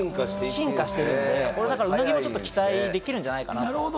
進化してるんで、鰻も期待できるんじゃないかなと。